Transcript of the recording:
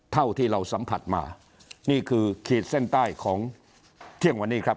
เท่าที่เราสัมผัสมานี่คือขีดเส้นใต้ของเที่ยงวันนี้ครับ